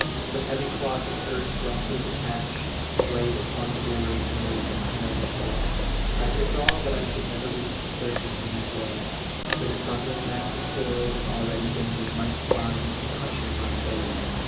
Some heavy clods of earth roughly detached, weighed upon the boards and made them unmanageable; I foresaw that I should never reach the surface in that way, for 272 BACK FROM THE GRAVE. the crumbling mass of soil was already bending my spine and crushing my face.